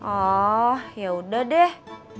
oh ya udah deh